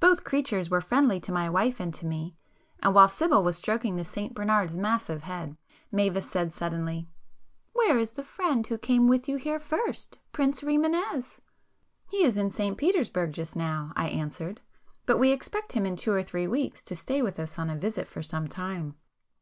Both creatures were friendly to my wife and to me, and while Sibyl was stroking the St Bernard's massive head, Mavis said suddenly, "Where is the friend who came with you here first, Prince Rimânez?" "He is in St Petersburg just now,"—I answered—"But we expect him in two or three weeks to stay with us on a visit for some time."